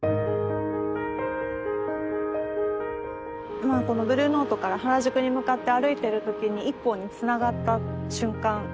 まあこのブルーノートから原宿に向かって歩いてるときに一本につながった瞬間